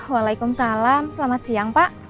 waalaikumsalam selamat siang pak